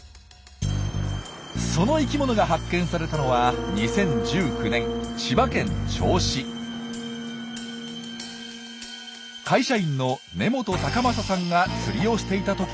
その生きものが発見されたのは２０１９年会社員の根本崇正さんが釣りをしていたときのこと。